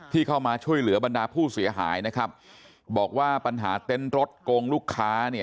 เข้ามาช่วยเหลือบรรดาผู้เสียหายนะครับบอกว่าปัญหาเต็นต์รถโกงลูกค้าเนี่ย